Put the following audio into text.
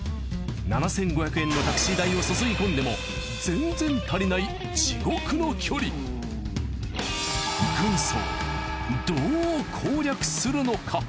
７，５００円のタクシー代を注ぎ込んでも全然足りない軍曹どう攻略するのか？